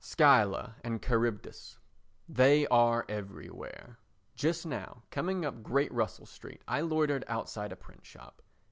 Scylla and Charybdis They are everywhere. Just now coming up Great Russell Street I loitered outside a print shop.